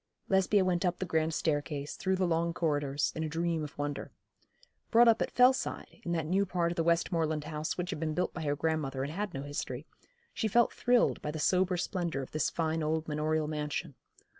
Lesbia went up the grand staircase, through the long corridors, in a dream of wonder. Brought up at Fellside, in that new part of the Westmoreland house which had been built by her grandmother and had no history, she felt thrilled by the sober splendour of this fine old manorial mansion.